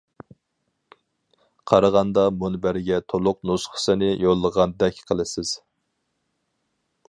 قارىغاندا مۇنبەرگە تولۇق نۇسخىسىنى يوللىغاندەك قىلىسىز.